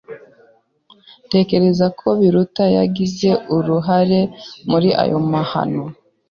Ntekereza ko Biruta yagize uruhare muri ayo mahano.